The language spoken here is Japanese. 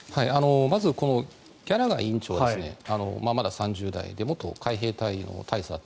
まず、ギャラガー委員長はまだ３０代で元海兵隊の大佐だった。